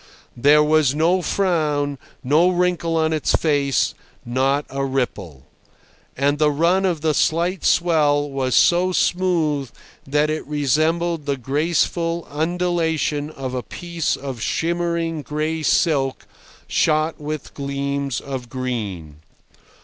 There was no frown, no wrinkle on its face, not a ripple. And the run of the slight swell was so smooth that it resembled the graceful undulation of a piece of shimmering gray silk shot with gleams of green.